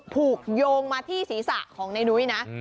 ถูกโยงมาที่ศีรษะของในนุ้ยนะ